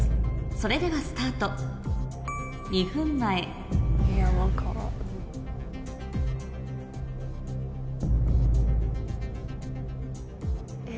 それではスタート２分間え？